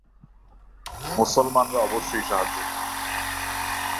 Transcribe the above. মুসলমানরা অবশ্যই সাহায্য করবে।